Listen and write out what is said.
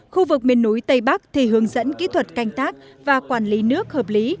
khu vực miền núi tây bắc thì hướng dẫn kỹ thuật canh tác và quản lý nước hợp lý